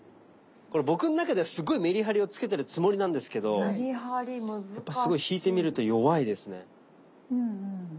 これ僕の中ではすごいメリハリをつけてるつもりなんですけどやっぱすごい引いてみると弱いですね。